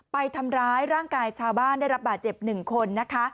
ไปทำร้ายร่างกายชาวบ้านได้รับบาดเจ็บ๑คนนะคะ